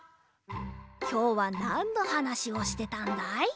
きょうはなんのはなしをしてたんだい？